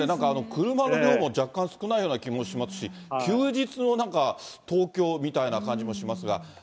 車の量も若干少ないような気もしますし、休日のなんか東京みたいな感じもしますが。